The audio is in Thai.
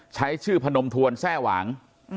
ใช้ชื่อพนมทวนแทร่หวาง